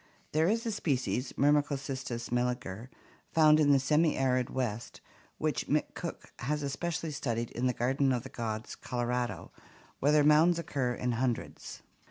There is a species, Myrmecocystus melliger, found in the semi arid West, which McCook has especially studied in the Garden of the Gods, Colorado, where their mounds occur in hundreds.